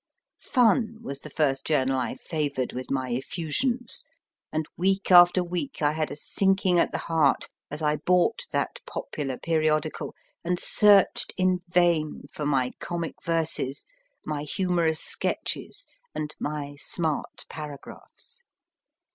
Fun was the first journal I favoured with my effusions, and week after week I had a sinking at the heart as I bought that popular periodical and searched in vain for my comic verses, my humorous sketches, and my smart paragraphs.